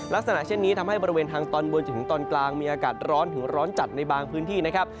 ลักษณะเช่นนี้ทำให้บริเวณทางตอนบนจนถึงตอนกลางมีอากาศร้อนถึงร้อนจัดในบางพื้นที่นะครับ